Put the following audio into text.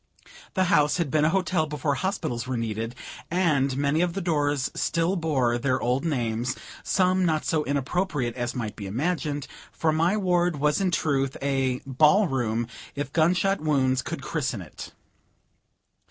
The house had been a hotel before hospitals were needed, and many of the doors still bore their old names; some not so inappropriate as might be imagined, for my ward was in truth a ball room, if gun shot wounds could christen it.